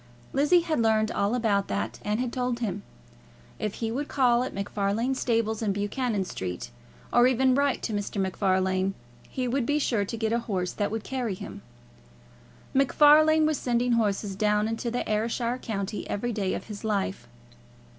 Lizzie had learned all about that, and had told him. If he would call at MacFarlane's stables in Buchanan Street, or even write to Mr. MacFarlane, he would be sure to get a horse that would carry him. MacFarlane was sending horses down into the Ayrshire country every day of his life.